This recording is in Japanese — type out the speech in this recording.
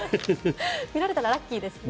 見られたらラッキーですね。